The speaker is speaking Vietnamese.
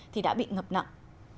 thì đã bị ngập nặng